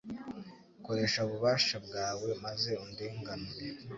koresha ububasha bwawe maze undenganure